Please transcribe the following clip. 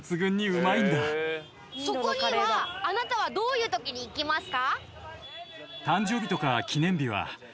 そこにはあなたはどういう時に行きますか？